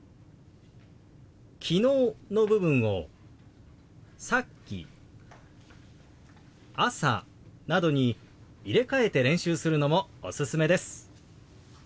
「昨日」の部分を「さっき」「朝」などに入れ替えて練習するのもおすすめです。